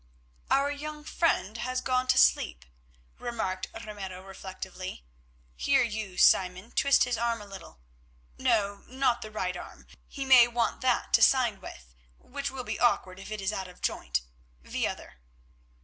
"Our young friend has gone to sleep," remarked Ramiro, reflectively. "Here you, Simon, twist his arm a little. No, not the right arm; he may want that to sign with, which will be awkward if it is out of joint: the other."